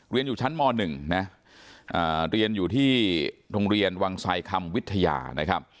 เรียนอยู่ชั้นม๑นะเรียนอยู่ที่โรงเรียนวังไซคำวิทยานะครับ